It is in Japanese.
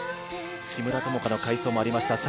木村友香の快走もありました